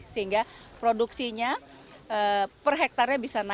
sehingga produksinya per hektare bisa nangkut